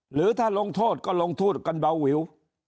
หรือถ้าลงโทษก็ลงโทษกันเบาวิว